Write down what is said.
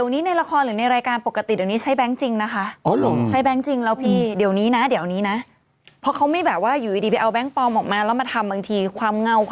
แต่คือทุกสินค้านี้จะเกี่ยวกับเรื่องเงินธอง